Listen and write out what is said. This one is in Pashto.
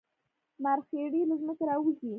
مرخیړي له ځمکې راوځي